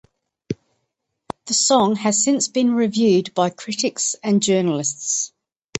The song has since been reviewed by critics and journalists.